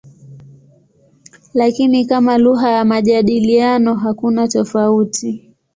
Lakini kama lugha ya majadiliano hakuna tofauti.